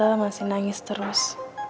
tante masih nangis terus